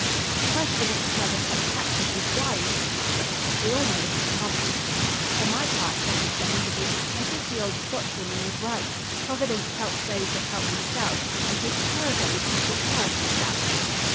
"The question is whether such practice is wise," said Margaret: "we all know it is common." "For my part," said Mr Enderby, "I think the old Scotchwoman was right; Providence helps those that help themselves, and takes care of those who take care of themselves."